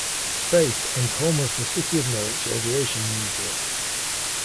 Faith and home of the City of Norwich Aviation Museum.